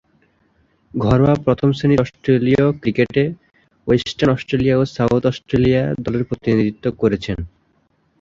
ঘরোয়া প্রথম-শ্রেণীর অস্ট্রেলীয় ক্রিকেটে ওয়েস্টার্ন অস্ট্রেলিয়া ও সাউথ অস্ট্রেলিয়া দলের প্রতিনিধিত্ব করেছেন।